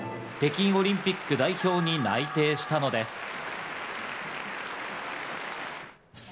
北京オリンピック代表に内定したのです。